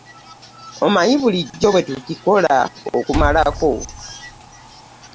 Omanyi bulijjo bwe tukikola okumalako?